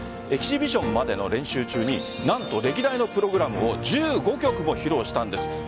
エキシビションまでの練習中に何と歴代のプログラムを１５曲も披露したんです。